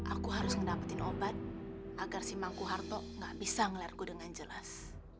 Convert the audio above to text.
aku harus ngedapetin obat agar si mangku harto gak bisa ngelerku dengan jelas